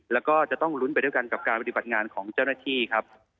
แล้วก็จะต้องลุ้นไปด้วยกันกับการปฏิบัติงานของเจ้าหน้าที่ครับ